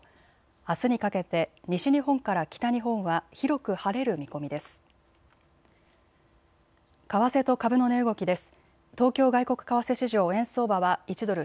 あすにかけて西日本から北日本は広く晴れる見込みです。